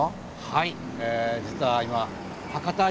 はい！